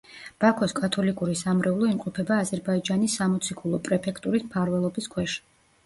ბაქოს კათოლიკური სამრევლო იმყოფება აზერბაიჯანის სამოციქულო პრეფექტურის მფარველობის ქვეშ.